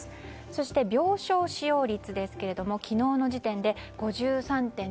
そして、病床使用率ですけれども昨日の時点で５３．７％。